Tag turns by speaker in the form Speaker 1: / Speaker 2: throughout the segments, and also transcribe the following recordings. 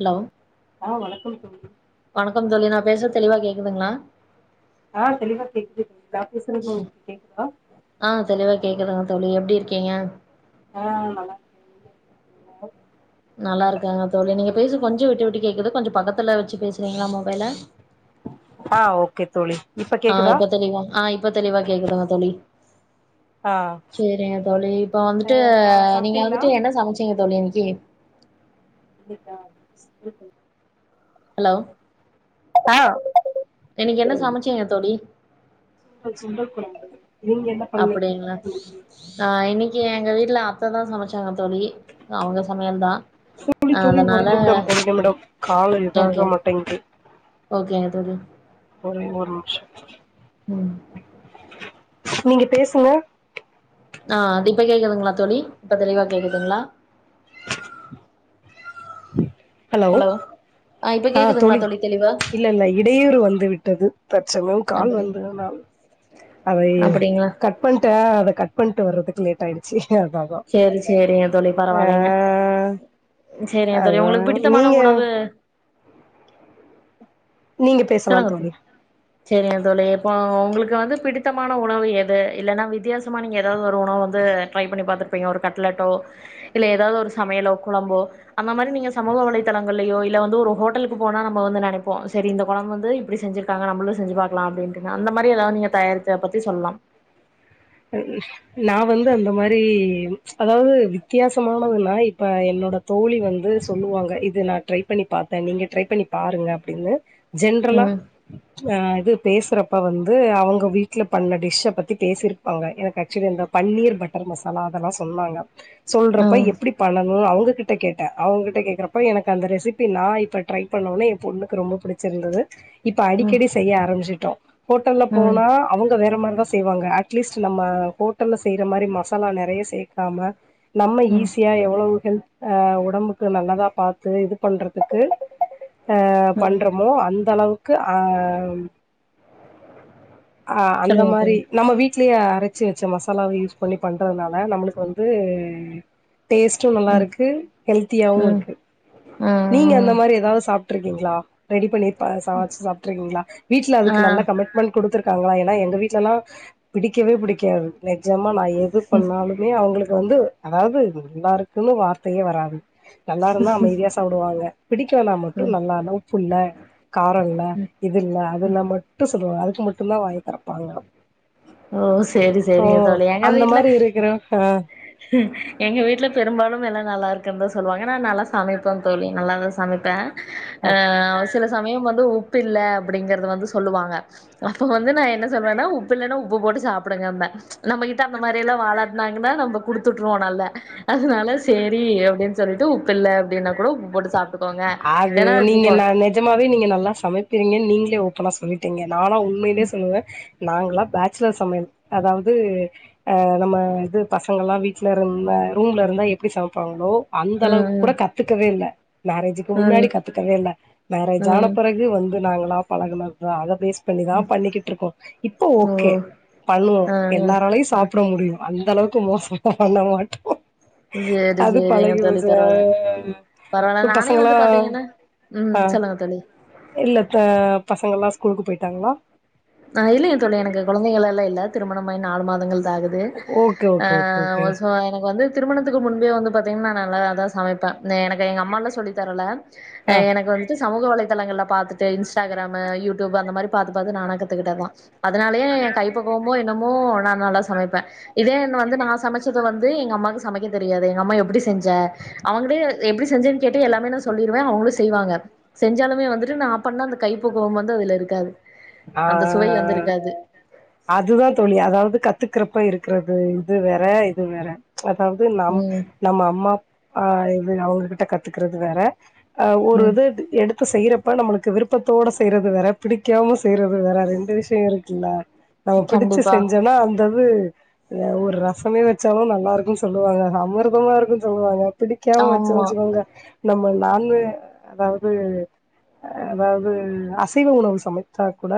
Speaker 1: Hello
Speaker 2: ஆ வணக்கம் தோழி
Speaker 1: வணக்கம் தோழி நா பேசுறது தெளிவா கேக்குதுங்களா
Speaker 2: ஆ தெளிவா கேக்குது நா பேசுறது உங்களுக்கு கேக்குதா
Speaker 1: ஆ தெளிவா கேக்குதுங்க தோழி எப்டி இருக்கீங்க
Speaker 2: ஆ நல்லாருக்
Speaker 1: நல்லாருக்கேங்க தோழி நீ பேசுறது கொஞ்சோ விட்டு விட்டு கேக்குது கொஞ்சோ பக்கத்துல வச்சு பேசுறீங்களா மொபைல
Speaker 2: ஆ ஓகே தோழி இப்ப
Speaker 1: ஆ
Speaker 2: கேக்குதா
Speaker 1: இப்ப தெளிவா ஆ இப்ப தெளிவா கேக்குதுங்க தோழி
Speaker 2: ஆ
Speaker 1: சேரிங்க தோழி இப்ப
Speaker 2: ஆ
Speaker 1: வந்துட்டு
Speaker 2: சா
Speaker 1: நீங்க
Speaker 2: சாப்ட்டீங்களா
Speaker 1: வந்துட்டு என்ன சமைச்சீங்க தோழி இன்னைக்கி
Speaker 2: இன்னைக்கா [unintelligible]
Speaker 1: ஹலோ
Speaker 2: ஆ
Speaker 1: இன்னைக்கு என்ன சமைச்சீங்க தோழி
Speaker 2: சுண்டல் சுண்டல் கொழம்பு நீங்க என்ன பண்ணிங்க
Speaker 1: அப்டிங்களா
Speaker 2: தோழி
Speaker 1: ஆ இன்னைக்கு எங்க வீட்ல அத்த தா சமச்சாங்க தோழி அவுங்க சமையல் தா
Speaker 2: தோழி தோழி ஒரு நிமிடம்
Speaker 1: அதனால
Speaker 2: ஒரு நிமிடம் காலு
Speaker 1: ஓகே
Speaker 2: இதாக மாட்டேங்குது
Speaker 1: ஓகேங்க தோழி
Speaker 2: ஒரே ஒரு நிம்ஸ
Speaker 1: ம்
Speaker 2: நீங்க பேசுங்க
Speaker 1: ஆ இப்ப கேக்குதுங்களா தோழி இப்ப தெளிவா கேக்குதுங்களா
Speaker 2: ஹலோ
Speaker 1: ஆ இப்ப கேக்குதுங்களா தோழி தெளி
Speaker 2: இல்லல்ல இடையூறு வந்து விட்டது தற்சமயம் கால்
Speaker 1: அப்படி
Speaker 2: வந்ததுனால் அதை
Speaker 1: அப்படிங்களா
Speaker 2: கட் பண்ட்ட அத கட் பண்ட்டு வர்றதுக்கு லேட் ஆயிடுச்சு அதா
Speaker 1: சேரி சேரிங்க தோழி
Speaker 2: ஆ
Speaker 1: பரவாயில்லைங்க சேரிங்க தோழி
Speaker 2: அதா
Speaker 1: உங்களுக்கு பிடித்தமான
Speaker 2: நீங்க
Speaker 1: உணவு
Speaker 2: நீங்க பேசலா
Speaker 1: சொல்லுங்க தோ
Speaker 2: தோழி
Speaker 1: சேரிங்க தோழி இப்போ உங்களுக்கு வந்து பிடித்தமான உணவு எது இல்லனா வித்தியாசமா நீங்க எதாவ்து ஒரு உணவு வந்து ட்ரை பண்ணி பாத்துருப்பீங்க ஒரு கட்லெட்டோ இல்ல எதாவ்து ஒரு சமையலோ கொழம்போ அந்த மாரி நீங்க சமூக வலைதளங்கள்லயோ இல்ல வந்து ஒரு ஹோட்டலுக்கு போனா நம்ம வந்து நெனைப்போ சேரி இந்த கொழம்பு வந்து இப்டி செஞ்சிருக்காங்க நம்மளு செஞ்சு பாக்கலா அப்டின்ட்டுங்க அந்த மாரி எதாவ்து நீங்க தயாரிச்சத பத்தி சொல்லாம்
Speaker 2: நா வந்து அந்த மாரி அதாவ்து வித்தியாசமானதுனா இப்ப என்னோட தோழி வந்து சொல்லுவாங்க இது நா ட்ரை பண்ணி பாத்தே நீங்க ட்ரை பண்ணி பாருங்க அப்டின்னு ஜென்ட்ரலா
Speaker 1: ம்
Speaker 2: ஆ இது பேசுறப்ப வந்து அவுங்க வீட்ல பண்ண டிஷ்ஷ பத்தி பேசிருக் காங்க எனக்கு ஆக்சுவலி அந்த பன்னீர் பட்டர் மசாலா அதெல்லா சொன்னாங்க சொல்றப்ப
Speaker 1: ம்
Speaker 2: எப்டி பண்ணணு அவ்ங்க கிட்ட கேட்டே அவ்ங்க கிட்ட கேக்குறப்ப எனக்கு அந்த ரெசிபி நா இப்ப ட்ரை பண்ணோனே எ பொண்ணுக்கு ரொம்ப புடிச் சிருந்தது இப்ப
Speaker 1: ம்
Speaker 2: அடிக்கடி செய்ய ஆரம்மிச்சுட்டோ ஹோட்டல்ல
Speaker 1: ம்
Speaker 2: போனா அவுங்க வேற மாரிதா செய்வாங்க அட் ட்லீஸ்ட்டு நம்ம ஹோட்டல்ல செய்ற மாரி மசாலா நெறைய சேக்காம நம்ம
Speaker 1: ம்
Speaker 2: ஈஸியா எவ்வளவு ஹெல்த் அ ஒடம்புக்கு நல்லதா பாத்து இது பண்றதுக்கு அ
Speaker 1: ம்
Speaker 2: பண்ற மோ அந்த அளவுக்கு ஆம் அ அந்த
Speaker 1: சொல்லுங்க
Speaker 2: மாரி
Speaker 1: தோழி
Speaker 2: நம்ம வீட்லயே அரச்சி வெச்ச மசாலாவ யூஸ் பண்ணி பண்றதுனால நம்மளுக்கு வந்து டேஸ்ட்டு
Speaker 1: ம்
Speaker 2: நல்லாருக்கு ஹெல்த்தியாவு
Speaker 1: ம்
Speaker 2: இருக்கு
Speaker 1: ஆ
Speaker 2: நீங்க அந்த மாரி எதாவ்து சாப் ட்ருக்கீங்ளா ரெடி பண்ணி ப சமைச்சு சாப்ட்ருக்கீங்களா வீட்ல
Speaker 1: ஆ ஆ
Speaker 2: அதுக்கு நல்ல கமிட்மெண்ட் குடுத்துருக் க்காங்களா ஏனா எங்க வீட்லலா பிடிக்கவே பிடிக்காது நெஜமா நா எது பண்ணாலு மே அவ்ங்களுக்கு வந்து அதாவ்து நல்லா இருக்குன்னு வார்த்தையே வராது நல்லா இருந்தா அமைதியா சாப்டுவாங்க பிடிக்கலனா மட்டு நல்ல இல்ல உப்பில்ல கார இல்ல இது இல்ல அதுனா மட்டு சொல்லுவாங்க அதுக்கு மட்டுந்தா வாய தெறப்பாங்க
Speaker 1: ஓ செரி
Speaker 2: ஓ
Speaker 1: செரிங்க தோழி எங்க
Speaker 2: அந்த
Speaker 1: வீட்ல
Speaker 2: மாரி இருக்குறே ஹ
Speaker 1: எங்க வீட்ல பெரும்பாலும் எல்லா நல்லா இருக்குன் தா சொல்லுவாங்க நா நல்லா சமைப்பே தோழி நல்லா தா சமைப்பே அ சில சமயம் வந்து உப்பு இல்ல அப்டிங்கிறத வந்து சொல்லுவாங்க அப்ப வந்து நா என்ன சொல்வேனா உப் பில்லனா உப்பு போட்டு சாப்டுங்கம்பே நம்ம கிட்ட அந்த மாரியெல்லா வாழாட்டுனாங்கனா நம்ப குடுத்துட்ருவோ நல்ல அதுனால சேரி அப்டின் சொல்லிட்டு உப்பு இல்ல அப்டினா கூட உப்பு போட்டு சாப் டுக்கோங்க
Speaker 2: அது
Speaker 1: ஏனா
Speaker 2: நீங்க
Speaker 1: வெச்சுக்குவாங்
Speaker 2: நா நெஜமாவே நீங்க நல்லா சமப்பீங்கன் நீங்களே ஓப்பனா சொல்லிட்டீங்க நாலா உண்மைலே சொல்லுவே நாங்களா பேச்சுலர் சமையல் அதாவ்து அ நம்ம இது பசங்கலா வீட்ல இருந்தா ரூம்ல இருந்தா எப்டி சமப்பாங்களோ அந்த அளவுக்கு
Speaker 1: ம்
Speaker 2: கூட கத்துக்கவே இல்ல மேரேஜ் க்கு
Speaker 1: ம்
Speaker 2: முன்னாடி கத்துக்கவே இல்ல மேரேஜ் ஆன
Speaker 1: ம்
Speaker 2: பிறகு வந்து நாங்களா பழகுனத்தா அத பேஸ் பண்ணிதா பண்ணிக்கிட்ருக்கோ இப்ப
Speaker 1: ஓ
Speaker 2: ஓகே பண்ணுவோ
Speaker 1: ஆ ஆ
Speaker 2: எல்லாராலயு
Speaker 1: ஆ
Speaker 2: சாப்ட முடியு அந்த அளவுக்கு மோசமா பண்ண மாட்டோ
Speaker 1: சேரி
Speaker 2: அது
Speaker 1: சேரிங்க தோழி
Speaker 2: பழகிபோச்சு அ
Speaker 1: பரவால்ல பரவால்ல நானே
Speaker 2: பசங்களா
Speaker 1: வந்து பாத்தீங்கனா
Speaker 2: ஆ
Speaker 1: ம் சொல்லுங்க தோழி
Speaker 2: இல்ல இப்ப பசங்கலா ஸ்கூலுக்கு போயிட்டாங்களா
Speaker 1: ஆ இல்லைங்க தோழி எனக்கு கொழந்தைகள்லாலே இல்ல திருமணமாயி நாலு மாதங்கள் தா ஆகுது
Speaker 2: ஓகே
Speaker 1: அ
Speaker 2: ஓகே ஓகே ஓகே
Speaker 1: ஒ சோ எனக்கு வந்து திருமணத்துக்கு முன்பே வந்து பாத்தீங்கன்னா நா நல்லா தா சமைப்பே எனக்கு எங்க அம்மால்லா சொல்லி தரல
Speaker 2: ஆ
Speaker 1: எனக்கு வந்துட்டு சமூக வலைதளங்கள்ல பாத்துட்டு இன்ஸ்டாகிராமு யூடியூப்பு அந்த மாதிரி பாத்து பாத்து நானா கத்து கிட்டதுத்தா அதனாலயே என் கைப்பக்குவமோ என்னமோ நா நல்லா சமைப்பே இதே ஒன்னு வந்து நா சமச்சத வந்து எங்க அம்மாவுக்கு சமைக்க தெரியாது எங்க அம்மா எப்டி செஞ்சே அவங்களே எப்டி செஞ்சேன்னு கேட்டு எல்லாமே நா சொல்லிருவே அவங்களும் செய்வாங்க செஞ்சாலுமே வந்துட்டு நா பண்ண அந்த கைப்பக்குவம் வந்து அதுல இருக்காது
Speaker 2: அ
Speaker 1: அந்த சுவை வந்து இருக்காது
Speaker 2: அதுதா தோழி அதாவது கத்துக்கிறப்ப இருக்கிறது இது வேற இது வேற அதாவது நம்
Speaker 1: ம்
Speaker 2: நம்ம அம்மா ஆ இது அவங்க கிட்ட கத்துக்கறது வேற அ ஒரு
Speaker 1: ம்
Speaker 2: இது எடுத் து செய்யறப்ப நம்மளுக்கு விருப்பத்தோட செய்யறது வேற பிடிக்காம செய்யறது வேற ரெண்டு விஷயோ இருக்குல்ல நம்ம பிடிச்சு
Speaker 1: கண்டிப்பா
Speaker 2: செஞ்சோன்னா அந்த இது அ ஒரு ரசமே வச்சாலு நல்லா இருக்குன்னு சொல்லுவாங்க அமிர்தமா இருக்குன்னு சொல்லுவாங்க பிடிக்காம வச்ச
Speaker 1: ஆமா
Speaker 2: வச்சுக்கோங்க நம்ம நான் வெ அதாவது அ அதாவது அசைவ உணவு சமச்சாக் கூட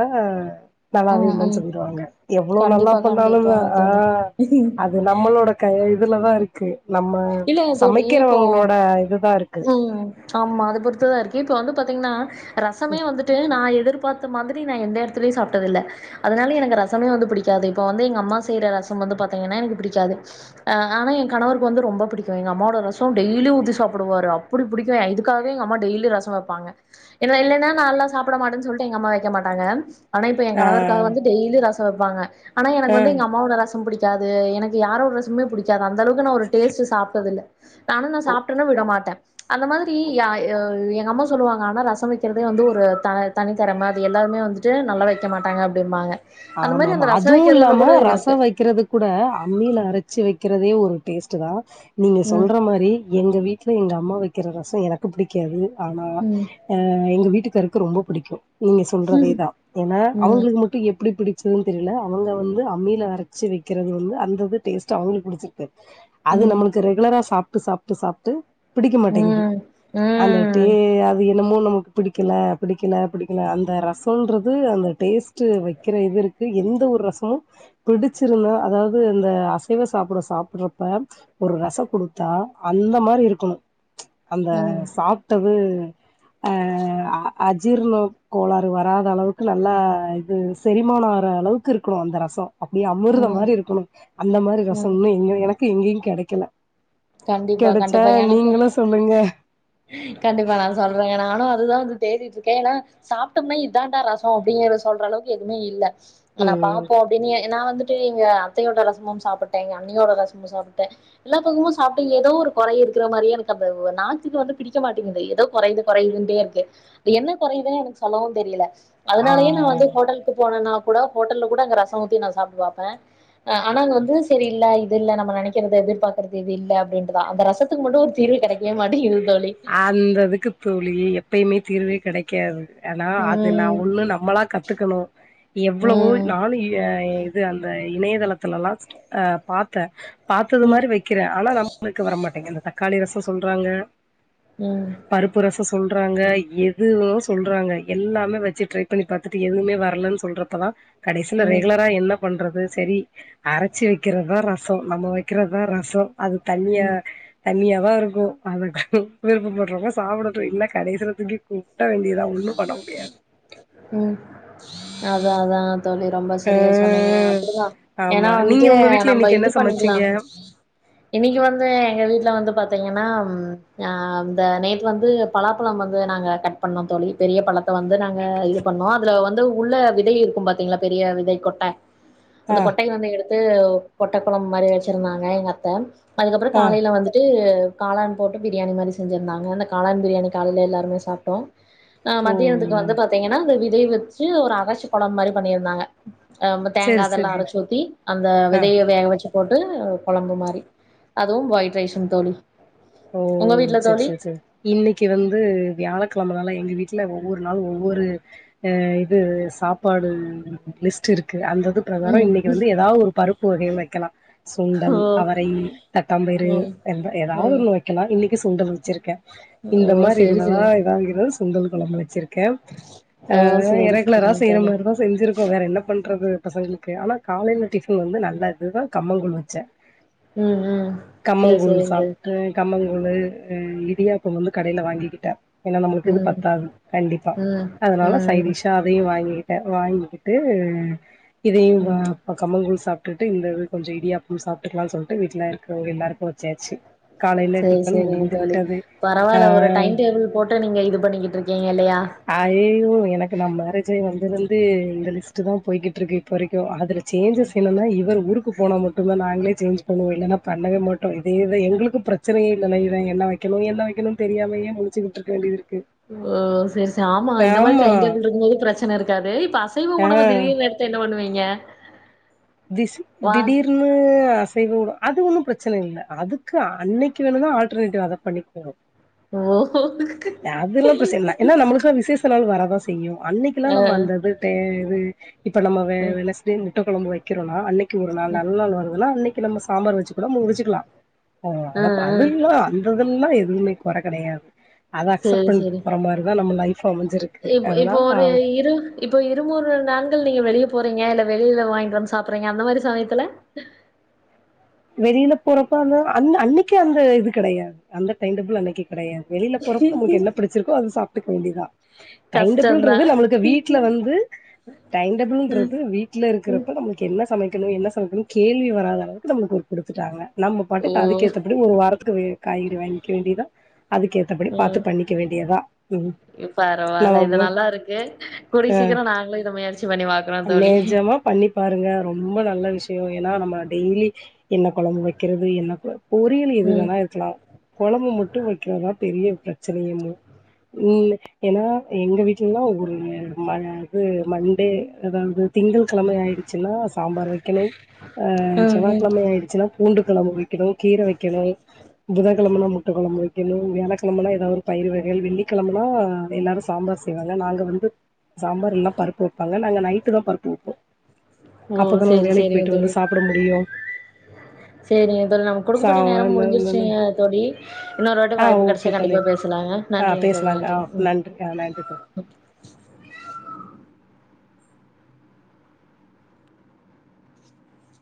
Speaker 2: நல்லாவே
Speaker 1: ம்
Speaker 2: இல்லன்னு
Speaker 1: ம்
Speaker 2: சொல்லி திட்டு வாங்க எவ்ளோ நல்லா
Speaker 1: கண்டிப்பா
Speaker 2: பண்ணாலு
Speaker 1: கண்டிப்பா
Speaker 2: தா ஆ
Speaker 1: தோழி
Speaker 2: அது நம்மளோட கை இதுலதா இருக்கு நம்ம
Speaker 1: இல்ல தோழி இப்போ
Speaker 2: சமைக்கிறவங்களோட இதுதா இருக்கு
Speaker 1: ம். ஆமா அது பொறுத்துதா இருக்கு இப்ப வந்து பாத்தீங்கன்னா ரசமே வந்து ட்டு நா எதிர்பாத்த மாதிரி நா எந்த இடத்துலயையு சாப்ட்டதில்ல அதனால எனக்கு ரசமே வந்து பிடிக் கு இப்ப வந்து எங்க அம்மா செய்ற ரசம் வந்து பாத்தீங்கன்னா எனக்கு பிடிக்காது ஆனா என் கணவர் க்கு வந்து ரொம்ப பிடிக்கும் எங்க அம்மாவோட ரசம் டெய்லியு ஊத்தி சாப்புடுவாரு அ ப்பிடி புடிக்கும் இதுக்காகவே எங்கம்மா டெய்லியு ரசம் வெப்பாங்க என்ன இல்லன்னா நா நல்லால்லா சாப்பிட மாட்டேன்னு சொல் ட்டு எங்க அம்மா வெக்க மாட்டாங்க ஆனா இப்ப என்
Speaker 2: ஆ
Speaker 1: கணவருக்காக வந்து டெய்லியு ரசம் வெப்பாங்க ஆனா எனக்கு
Speaker 2: ஆ
Speaker 1: வந்து எங்க அம்மாவோட ரசம் புடிக்காது எனக்கு யாரோட ரசமே புடிக்காது அந்த அளவுக்கு நா ஒரு டேஸ்ட் சாப்டது இல்ல ஆனா நா சாப்ட்டன்னா விட மாட்டே அந்த மாதிரி யா யோ எங்க அம்மா சொல்லுவாங்க ஆனா ரசம் வெக்கிறதே வந்து ஒரு த தனித்திறமை அது எல்லாருமே வந்துட்டு நல்லா வைக்க மாட்டாங்க அப்படிம்பாங்க
Speaker 2: ஆமா ஆமா அதுவு இல்லாம
Speaker 1: இருக்கு
Speaker 2: ரசம் வெக்கிறது கூட அம்மியில அரைச்சு வெக்கிறதே ஒரு டேஸ்ட்டு தா நீங்க
Speaker 1: ம்
Speaker 2: சொல்ற மாறி எங்க வீட்ல எங்க அம்மா வைக்கிற ரசம் எனக்கு பிடிக்காது ஆனா
Speaker 1: ம்
Speaker 2: எ எங்க வீட்டுக்காருக்கு ரொம்ப படிக்கும் நீங்க சொல்றதேதா ஏன்னா
Speaker 1: ம் ம்
Speaker 2: அவங்களுக்கு மட்டும் எப் பிடி பிடிச்சதுன்னு தெரில அவங்க வந்து அம்மில அரைச்சி வெக்கிறது வந்து அந்த இது டேஸ்ட்டு அவங்களுக்கு புடிச்சிருக்கு அது
Speaker 1: ம்
Speaker 2: நம்மளுக்கு ரெகுலரா சாப்ட்டு சாப்ட்டு சாப்ட்டு பிடிக்க மாட்டேங்குது
Speaker 1: ம்
Speaker 2: அந்த டே
Speaker 1: ம்
Speaker 2: அது என்னமோ நமக்கு பிடிக்கல பிடிக்கல பிடிக்கல அந்த ரசம்ன்றது அந்த டேஸ்ட்டு வெக் க்கிற இது இருக்கு எந்த ஒரு ரசமும் பிடிச்சிருந்தா அதாவது இந்த அசைவ சாப்பிட சாப்பிட்றப்ப ஒரு ரசோ குடுத்தா அந்த மாறி இருக்கணு அந்த
Speaker 1: ம்
Speaker 2: சாப்ட்டது
Speaker 1: [inaudible]
Speaker 2: அஜீர்ணோ கோளாறு வராத அளவுக்கு நல்லா இது செரிமான ஆற அளவுக்கு இருக்கணு அந்த ரசம் அப்படியே அமிர்தம்
Speaker 1: ம்
Speaker 2: மாறி இருக்கணு அந்த மாறி ரசம்
Speaker 1: ம்
Speaker 2: இன்னும் எங்க எனக்கு எங்கயு கெடைக்கல
Speaker 1: கண்டிப்பா
Speaker 2: கிடச்சா
Speaker 1: கண்டிப்பா எனக்கு
Speaker 2: நீங்களு சொல்லுங்க
Speaker 1: கண்டிப்பா நா சொல்றேங்க நானும் அதுதா வந்து தேடிட்டு இருக்கே ஏன்னா சாப்ட்டோம்னா இதான்டா ரசோ அப்டிங்கற சொல்ற அளவுக்கு எதுமே இல்ல ஆனா
Speaker 2: ம்
Speaker 1: பாப்போ எண்ணிய நா வந்துட்டு எங்க அத்தயோட ரசமு சாப்ட்டே எங்க அண்ணியோட ரசமு சாப்ட்டே எல்லா பக்கமு சாப்ட்டு ஏதோ ஒரு கொற இருக்கிற மாரியே எனக்கு அந்த நாக்குக்கு வந்து பிடிக்க மாட்டேங்குது ஏதோ குறயுது குறயுதுன்ட்டே இருக்கு என்ன கொறையுதுன்னு எனக்கு சொல்லவு தெரியல அதனாலயே நா
Speaker 2: ஆ
Speaker 1: வந்து ஹோட்டல் க்கு போனனா கூட ஹோட்டல்ல கூட அங்க ரசோ ஊத்தி நா சாப்ட்டு பாப்பே ஆ ஆனா அங்க வந்து சரி இல்ல இது இல்ல நம்ம நெனக்கிறது எதிர்பாக்றது இது இல்ல அப்டின்றதா அந்த ரசத்துக்கு மட்டு ஒரு தீர்வு கெடைக்கவே மாட்டேங்குது தோழி.
Speaker 2: அந்ததுக்கு தோழி எப்பயுமே தீர்வே கிடைக் [unintelligible] ஆனா
Speaker 1: ம்
Speaker 2: அது நா
Speaker 1: ம்
Speaker 2: ஒண்ணு நம்மளா கத்துக்கணு எவ்ளவோ
Speaker 1: ம்
Speaker 2: நானு யா எ இது அந்த இணயதளத்துலல்லா அ பாத்த பாத்தது
Speaker 1: ம்
Speaker 2: மாரி வை க்கிற ஆனா நம்மளுக்கு வரமாட்டேங்குது இந்த தக்காளி ரசோ சொல்றாங்க
Speaker 1: ம்
Speaker 2: பருப்பு ரசோ சொல்றாங்க எதுவு சொல்றாங்க எல்லாமே வச்சி ட்ரை பண்ணி பாத் துட்டு எதுவுமே வரலன்னு சொல்றப்ப தா கடசில
Speaker 1: ம்
Speaker 2: ரெகுலரா என்ன பண்றது சரி அரச்சி வைக்கிறதுதா ரசசோ நம்ம வைக்கிறதா ரசசோ அது தண்ணியா தண்ணியா தா இருக்கு அத விருப்ப படுறவங்க சாப்டடும் இல்ல கடசில தூக்கி கொட்ட வேண்டியதா ஒன்னு பண்ண முடியாது
Speaker 1: ம் அதா அதா தோழி ரொம்ப
Speaker 2: ஆ
Speaker 1: சரியா சொன்னீங்க அப்டிதா ஏன்னா
Speaker 2: ஆமா நீங்க
Speaker 1: வந்துட்டு
Speaker 2: உங்க வீட்ல
Speaker 1: நம்ம
Speaker 2: இன்னைக்கு
Speaker 1: இது
Speaker 2: என்ன
Speaker 1: பண்ணிக்கலா
Speaker 2: சமச்சீங்க
Speaker 1: இன்னக்கி வந்து எங்க வீட்ல வந்து பாத்தீங்கன்னா அ இந்த நேத்து வந்து பலாப்பழம் வந்து நாங்க கட் பண்ணோம் தோழி பெரிய பழத்த வந்து நாங்க இது பண்ணோ அதுல வந் உள்ள விதை இருக்கு பாத்தீங்களா பெரிய விதை கொட்ட
Speaker 2: ஆ
Speaker 1: அந்த கொட்டை வந்து எடுத் து கொட்டக்குளம்பு மாரி வச்சிருந்தாங்க எங்க அத்த அதுக்கப்ற
Speaker 2: ஆ
Speaker 1: காலயில வந்துட்டு காளான் போட்டு பிரியாணி மாரி செஞ்சருந்தாங்க அந்த காளான் பிரியாிணி காலயில எல்லாருமே சாப்ட்டோ ஆ
Speaker 2: ஓ
Speaker 1: மத்தியானத்துக்கு வந்து பாத்தீங்கன்னா அத விதய வச்சு ஒரு அரச்ச கொழம்மாரி பண்ணியிருந்தாங்க அ தேங்கா
Speaker 2: செரி
Speaker 1: அதெல்லா
Speaker 2: செரி
Speaker 1: அரச்சி ஊத்தி அந்த
Speaker 2: ஆ
Speaker 1: விதய வேக வச்சு போட்டு குழம்பு மாறி அதுவு ஒயிட் ரைஸ்வு தோழி
Speaker 2: ஓ
Speaker 1: உங்க வீட்ல
Speaker 2: சே
Speaker 1: தோழி
Speaker 2: சே சே இன்னக்கி வந்து வியாழக்கிழமனால எங்க வீட்ல ஒவ்வொரு நாளும் ஒவ்வொரு ஆ இது சாப்பாடு லிஸ்ட் இருக்கு அந்த இது தவர
Speaker 1: ம்
Speaker 2: இன்னக்கு வந்து ஏதா ஒரு பருப்பு வகை வைக்கலா
Speaker 1: ஓ
Speaker 2: சுண்டல் அவரை தட்டாம்பயிறு
Speaker 1: ஓ
Speaker 2: ஏதாவது ஒன்று வைக்கலா இன்னக்கு சுண்டல் வச்சிருக்கே
Speaker 1: ஓ
Speaker 2: இந்த
Speaker 1: ஓ
Speaker 2: மாரி
Speaker 1: சேரி
Speaker 2: இதுலதா
Speaker 1: சேரி
Speaker 2: இதாகிறது சுண்டல் குழம்பு வச்சிருக் க ஆ
Speaker 1: ஓ சேரி
Speaker 2: எனக்குலா
Speaker 1: சேரிங்க
Speaker 2: ஏதாது செய்யிற
Speaker 1: தோழி
Speaker 2: மாரிதா செஞ்சிருக்கோ வேற என்ன பண்றது பசங்களுக்கு ஆனா காலயில டிஃபன் வந்து நல்லதுதா கம்மங்கூல் வச்ச
Speaker 1: ம் ம் சே சே இந்த
Speaker 2: கம்மங்கூலு இடியாப்ப வந்து கடயில வாங்கிக்கிட்ட ஏன்னா நம்மளுக்கு இது
Speaker 1: ம்
Speaker 2: பத்தாது கண்டிப்பா
Speaker 1: ம்
Speaker 2: அதனால
Speaker 1: ம்
Speaker 2: சைடிஷா அதயும் வாங்கி வாங்கிக்கிட்டு இதயும்
Speaker 1: ம்
Speaker 2: வா ப கம்மங்கூழ் சாப்ட்டு இந்த து கொஞ்ஜோ இடியாப்ப சாப்ட்க்கலாம்னு சொல்ட்டு வீட்ல இருக்கிற எல்லாருக்கு வச்சாச்சு காலைல
Speaker 1: செரி
Speaker 2: டிஃபன்
Speaker 1: செரிங்க
Speaker 2: முடிந்து
Speaker 1: தோழி
Speaker 2: விட்டது
Speaker 1: பரவால்ல ஒரு
Speaker 2: ஆ
Speaker 1: டைம் டேபிள் போட்டு நீங்க இது பண்ணிக்கிட்டு இருக்கீங்க இல்லயா
Speaker 2: அய்யய்யோ எனக்கு நா மேரேஜாய் வந்ததுளந்து இந்த லிஸ்ட் தா போய்கிட்டு இருக்கு இப்போ வரைக்கு அதுல சேஞ்சஸ் என்னன்னா இவரு ஊருக்கு போனா மட்டுதா நாங்களே சேஞ்ச் பண்ணுவோ இல்லன்னா பண்ணவே மாட்டோ இதேது எங்களுக்கு பிரச்சனயே இல்லனா இவ என்னா வைக்கணு எல்லா வைக்கணுனு தெரியாமே முளிச்சிகிட்டு இருக்க வேண்டியது இருக்கு
Speaker 1: ஓ செரி செரி ஆமா இந்த மாரி டைம்டெபிள் இருக்குபோது பிரச்சன இருக்காது இப்ப அசைவ
Speaker 2: ஆ
Speaker 1: உணவு திடீனு த்த என்ன பண்ணுவீங்க
Speaker 2: டிஸ்
Speaker 1: வா
Speaker 2: திடீருன்னு அசைவு அது ஒன்னு ப்ரச்சன இல்ல அதுக்கு அன்னெக்கி வேணுன்னா ஆல்டர்னேட்டிவ் அத பண்ணிக்க
Speaker 1: ஓஹோ
Speaker 2: அதெல்லா ப்ரச்சன இல்ல எனா நம்மளுக்கு விசேஷ நாள் வரதான் செய்யு அன்னெக்கெல்லா
Speaker 1: ஆ
Speaker 2: நம்ம அந்த இது தே வு இப்ப நம்ம வெ
Speaker 1: ம்
Speaker 2: வெனஸ்டே முட்ட கொழம்பு வெக்கெறோனா அன்னெக்கு ஒரு நாள்
Speaker 1: ம்
Speaker 2: நல்லா நாள் வருதுன்னா அன்னெக்கி நம்ம சாம்பார் வெச்சு கூட முடிச்சுக்லா
Speaker 1: ஆ
Speaker 2: அல்லாம்
Speaker 1: ஆ
Speaker 2: அதெல்லா அ அந்த இதெல்லா எதுமே கொற கெடயாது அத அக்செப்ட்
Speaker 1: சரி
Speaker 2: பண்ட்டு
Speaker 1: சரி
Speaker 2: போற மாரிதா நம்ம ஃலைப் அமஞ்சிருக்
Speaker 1: இப் இப்ப ஒரு இரு இப்ப இருமுறு நாண்கள் நீங்க வெளிய போறீங்க இல்ல வெள்ல வாங்க்ட்டு வந்து சாப்புற்றீங்க அந்த மாரி சமயத்துல
Speaker 2: வெளியில போறப்ப அந்த அந்த அன்னெக்கே அந்த இது கெடையாது அந்த டைம் டேபிள் அன்னெக்கி கெடயாது வெளில போறப்ப நம்பளுக்கு என்ன பிடிச்சிருக்கோ அது சாப் டுக்க வேண்டிதா
Speaker 1: கஷ்டந்தா
Speaker 2: டைம்டேபிள்ன்றது நம்மளுக்கு வீட்ல வந்து டைம் டேபிள்ன்றது வீட்ல இருக்குறப்ப நம்மளுக்கு என்ன சமக்கெணு என்ன சமக்கெணு கேள்வி வராத அளவுக்கு நம்மளுக்கு ஒரு குடுத்துட்டாங்க நம்ம
Speaker 1: ஓ
Speaker 2: பாட்டுட்டு அதுக்கேத்தபடி ஒரு வாரத்துக்கு வே காய்கறி வாய்ங்க வேண்டிதா அதுக்கே மத்தபடி பாத்து பண்ணிக்க வேண்டியதா ம்
Speaker 1: இ பரவால இது
Speaker 2: நம்ம
Speaker 1: நல்லா இருக்கு கூடிய சீக்கரொ நாங்களு இத முயற்சி பண்ணி பாக்
Speaker 2: லெஜமா பண்ணி பாருங்க ரொம்ப நல்ல விஷ்யோ எனா நம்ம டெய்லி என்ன கொழம்பு வெக்கெறது என்ன கொ பொரியல் எது
Speaker 1: ம்
Speaker 2: வேணா இருக்லா கொழம்பு மட்டு வெக்கெறத்தா பெரிய ப்ரச்சனயேமு ம் என்னன்னா எங்க வீட்லெல்லா ஒரு ம அது மண்டே அதாவ்து திங்கள்கெழமை ஆயிடுச்சின்னா சாம்பார் வெக்கெணு அ
Speaker 1: ம்
Speaker 2: செவ்வாய்
Speaker 1: ம்
Speaker 2: க்ழமை ஆயிடுச்சுனா பூண்டு கொழம்பு வெக்கெணு கீர வெக்கெணு புதன் கெழமன்னா முட்ட கொழம்பு வெக்கெணு வியாழக்கெழமன்னா எதாவ்து பயிரு வகைகள் வெள்ளிக்கெழமன்னா எல்லாரு சாம்பார் சா செய்வங்க நாங்க வந்து சாம்பார் இல்னா பருப்பு வெப்பாங்க நாங்க நைட்டு தா பருப்பு வெப்போ
Speaker 1: ஓ
Speaker 2: அப்பதான
Speaker 1: செரி
Speaker 2: வேலெக்கி
Speaker 1: செரிங்க
Speaker 2: போயிட்டு
Speaker 1: தோழி
Speaker 2: வந்து சாப்பட முடியு
Speaker 1: செரிங்க தோழி நமக்கு
Speaker 2: சா
Speaker 1: குடுக்கப்பட்ட நேரம் முடிஞ்சுருச்சுங்க தோழி இன்னொரு வாட்டி
Speaker 2: ஆ
Speaker 1: வாய்ப்பு
Speaker 2: ஓகே
Speaker 1: கெடச்சா
Speaker 2: தோழி
Speaker 1: கண்டிப்பா பேசலாங்க
Speaker 2: ஆ
Speaker 1: நன்றிங்க தோழி
Speaker 2: பேசலாங்க
Speaker 1: நன்றி
Speaker 2: ஆ
Speaker 1: ம்
Speaker 2: நன்றிங்க ஆ நன்றி தோழி